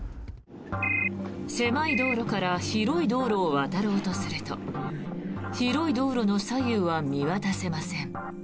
狭い道路から広い道路を渡ろうとすると広い道路の左右は見渡せません。